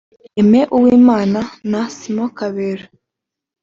Aime Uwimana na Simon Kabera